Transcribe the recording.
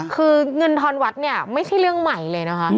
คือเงินทอนวัดเนี่ยไม่ใช่เรื่องใหม่เลยนะคะ